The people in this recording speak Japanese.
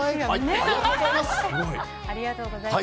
ありがとうございます。